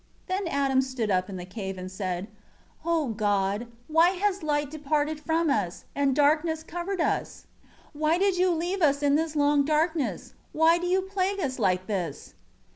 7 Then Adam stood up in the cave and said, "O God, why has light departed from us, and darkness covered us? Why did you leave us in this long darkness? Why do you plague us like this?